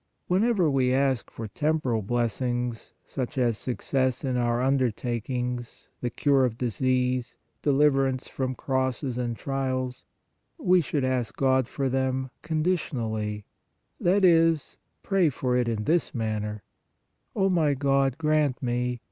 Whenever we ask for temporal blessings, such as success in our under takings, the cure of disease, deliverance from crosses and trials, we should ask God for them con ditionally, that is, pray for it in this manner :" O my God, grant me